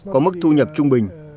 có mức thu nhập trung bình